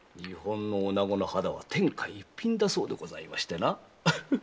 日本のおなごの肌は天下一品だそうでございましてな。